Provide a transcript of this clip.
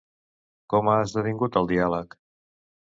Com ha esdevingut el diàleg?